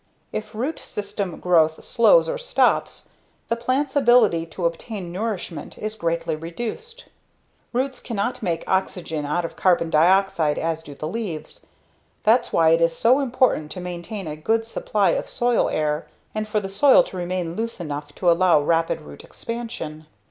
If root system growth slows or stops, the plant's ability to obtain nourishment is greatly reduced. Roots cannot make oxygen out of carbon dioxide as do the leaves. That's why it is so important to maintain a good supply of soil air and for the soil to remain loose enough to allow rapid root expansion.